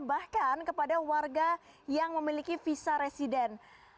bahkan kepada warga yang memiliki visa residen